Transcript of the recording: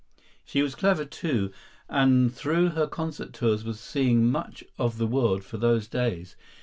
She was clever, too, and through her concert tours was seeing much of the world for those days.